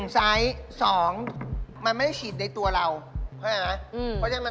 ๑ไซส์๒มันไม่ใชีดในตัวเราเพราะว่ามั้ย